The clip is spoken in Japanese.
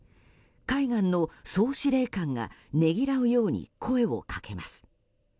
海軍の総司令官がねぎらうように声をかけます。